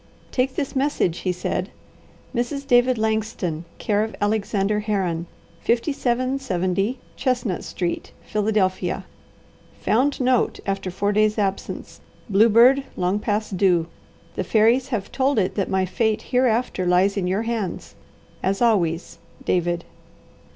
"Take this message," he said. "Mrs. David Langston, care of Alexander Herron, 5770 Chestnut Street, Philadelphia. Found note after four days' absence. Bluebird long past due. The fairies have told it that my fate hereafter lies in your hands. "As always. David."